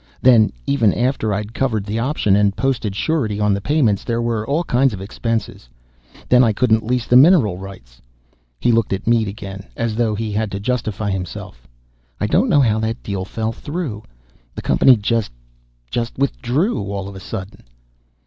Then, even after I'd covered the option and posted surety on the payments, there were all kinds of expenses. Then I couldn't lease the mineral rights " He looked at Mead again, as though he had to justify himself. "I don't know how that deal fell through. The company just ... just withdrew, all of a sudden."